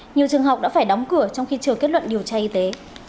nhiều trường học đã phải đóng cửa trong khi chờ kết luận điều tra y tế